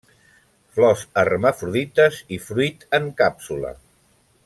Flors hermafrodites i fruit en càpsula.